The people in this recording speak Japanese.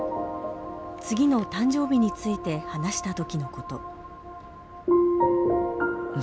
次の誕生日について話した時のこと。